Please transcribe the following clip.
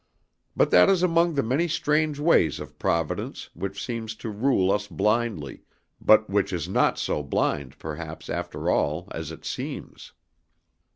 But that is among the many strange ways of Providence which seems to rule us blindly, but which is not so blind, perhaps, after all, as it seems.